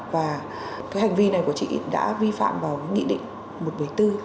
và cái hành vi này của chị đã vi phạm vào nghị định một một mươi bốn